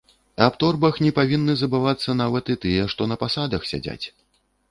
Аб торбах не павінны забывацца нават і тыя, што на пасадах сядзяць.